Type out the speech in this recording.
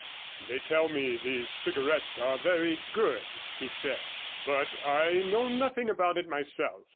They tell me these cigarettes are very good,' he said; 'but I know nothing about it myself.